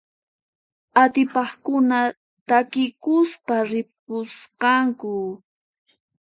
Atipaqkuna takikuspa ripusqaku.